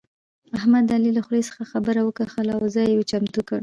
احمد د علي له خولې څخه خبره وکښه او ځای يې چمتو کړ.